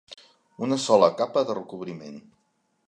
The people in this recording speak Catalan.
Una sola capa de recobriment.